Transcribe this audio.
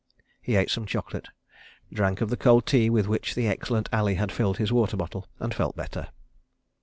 ..." He ate some chocolate, drank of the cold tea with which the excellent Ali had filled his water bottle, and felt better.